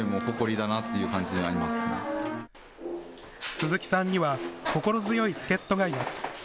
鈴木さんには心強い助っ人がいます。